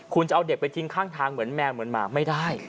คุณจะเอาเด็กไปทิ้งข้างทางเหมือนแมวเหมือนหมาไม่ได้